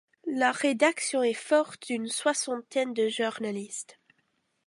La rédaction est forte d’une soixantaine de journalistes.